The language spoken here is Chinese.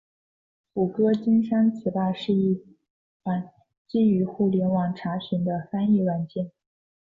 谷歌金山词霸是一款基于互联网查询的翻译软件。